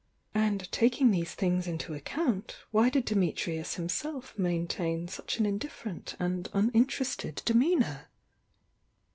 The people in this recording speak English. And taking these things into account, why did Dimitrius himself maintain such an indifferent and uninterested demeanour?